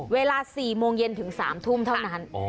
เวลา๔โมงเย็นถึง๓ทุ่มเท่านั้น